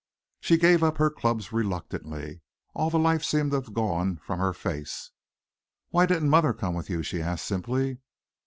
She gave up her clubs reluctantly. All the life seemed to have gone from her face. "Why didn't mother come with you?" she asked simply.